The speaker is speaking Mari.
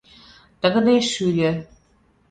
Тыгыде шӱльӧ